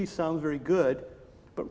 esg terdengar sangat bagus